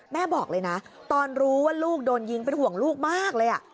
บอกเลยนะตอนรู้ว่าลูกโดนยิงเป็นห่วงลูกมากเลย